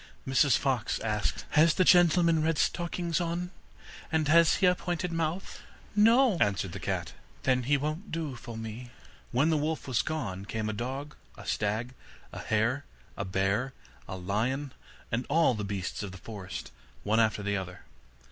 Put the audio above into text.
Mrs Fox asked: 'Has the gentleman red stockings on, and has he a pointed mouth?' 'No,' answered the cat. 'Then he won't do for me.' When the wolf was gone, came a dog, a stag, a hare, a bear, a lion, and all the beasts of the forest, one after the other.